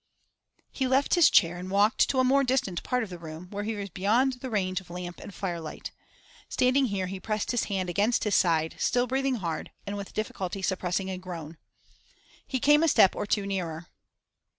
He left his chair and walked to a more distant part of the room, where he was beyond the range of lamp and firelight. Standing here, he pressed his hand against his side, still breathing hard, and with difficulty suppressing a groan. He came a step or two nearer.